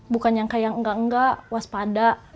bukan nyangka yang enggak enggak waspada